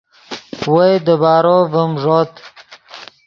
وئے دیبارو ڤیم ݱوت